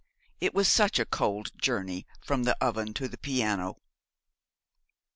It was such a cold journey from the oven to the piano.